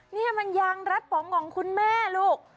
นี่มันยางรัดป๋องของคุณแม่ลูก